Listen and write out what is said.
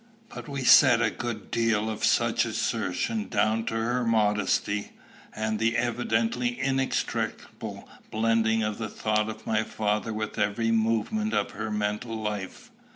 But we set a good deal of such assertion down to her modesty, and the evidently inextricable blending of the thought of my father with every movement of her mental life.